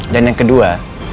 dan yang kedua